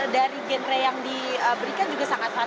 dari genre yang diberikan juga sangat sangat